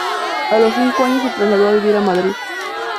A los cinco años se trasladó a vivir a Madrid.